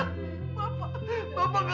kalian salahkan bapak ya